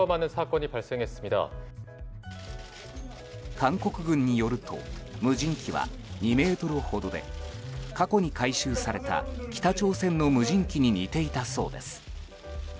韓国軍によると無人機は２ｍほどで過去に回収された北朝鮮の無人機に似ていたそうです。